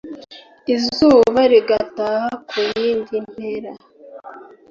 izuba rigataha ku yindi mpera